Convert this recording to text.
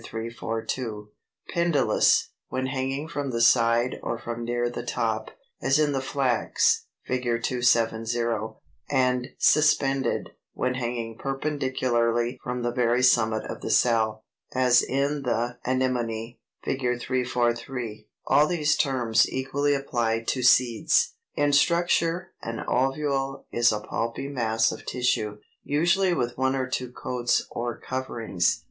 342), Pendulous, when hanging from the side or from near the top, as in the Flax (Fig. 270), and Suspended, when hanging perpendicularly from the very summit of the cell, as in the Anemone (Fig. 343). All these terms equally apply to seeds. 320. In structure an ovule is a pulpy mass of tissue, usually with one or two coats or coverings.